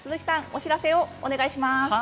お知らせをお願いします。